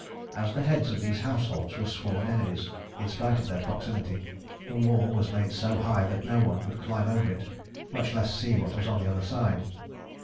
As the heads of these households were sworn enemies, in spite of their proximity, the wall was made so high that no one could climb over it, much less see what was on the other side.